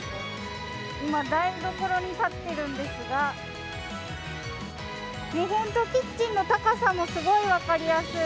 今、台所に立っているんですが本当にキッチンの高さもすごい分かりやすい。